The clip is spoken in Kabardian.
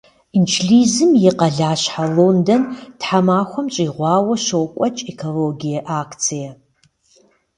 Инджылызым и къалащхьэ Лондон тхьэмахуэм щӏигъуауэ щокӏуэкӏ экологие акцие.